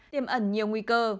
tiềm ẩn nhiều nguy cơ